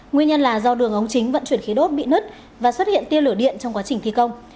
nguyên nhân là do đường ống chính vận chuyển khí đốt bị nứt và xuất hiện tiên lửa điện trong quá trình thi công